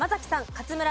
勝村